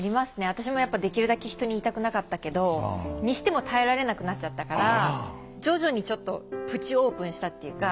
私もやっぱできるだけ人に言いたくなかったけどにしても耐えられなくなっちゃったから徐々にちょっとプチオープンしたっていうか。